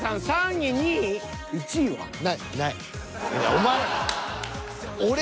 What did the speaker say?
お前。